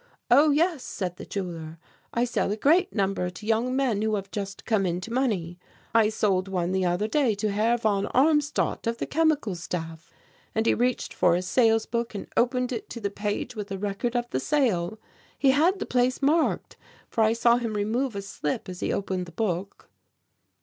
'Oh, yes,' said the Jeweller, 'I sell a great number to young men who have just come into money. I sold one the other day to Herr von Armstadt of the Chemical Staff,' and he reached for his sales book and opened it to the page with a record of the sale. He had the place marked, for I saw him remove a slip as he opened the book."